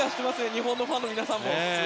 日本のファンの皆さんも。